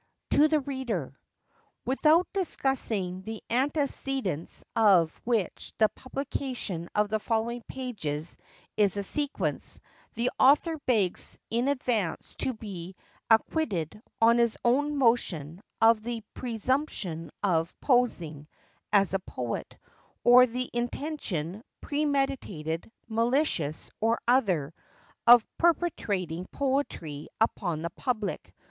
To the Reader : Without discussing the antecedents of which the publication of the following pages is a sequence, the author begs in advance to be ac¬ quitted, on his own motion, of the presumption of " posing " as a poet; or the intention, premeditated, malicious, or other, of " perpetrating" poetry upon the public.